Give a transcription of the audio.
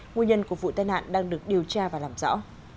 nguyên nhân của vụ tai nạn đang được điều tra và làm rõ